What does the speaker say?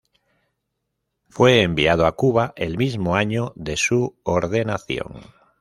Fue enviado a Cuba el mismo año de su ordenación.